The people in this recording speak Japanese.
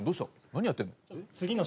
何やってるの？